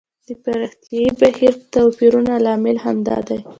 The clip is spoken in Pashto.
د پراختیايي بهیر توپیرونه لامل همدا دی.